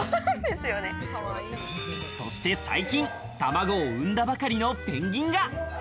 そして最近、卵を産んだばかりのペンギンが。